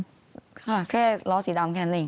ค่ะแค่ล้อสีดำแค่นั้นเอง